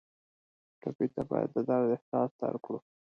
ټپي ته باید د درد احساس درکړو.